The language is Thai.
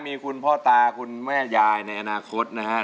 มีคุณพ่อตาคุณแม่ยายในอนาคตนะครับ